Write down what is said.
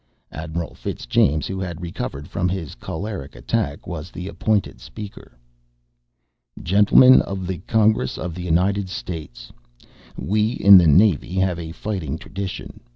Admiral Fitzjames, who had recovered from his choleric attack, was the appointed speaker. "Gentlemen of the Congress of the United States. We in the Navy have a fighting tradition.